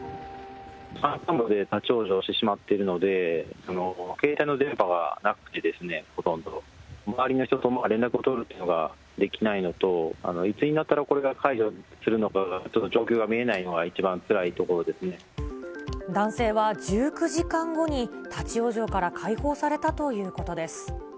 山間部で立往生してしまっているので、携帯の電波がなくてですね、ほとんど、周りの人とも連絡取るっていうのができないのと、いつになったらこれが解除するのかがちょっと状況が見えないのが、男性は１９時間後に立往生から解放されたということです。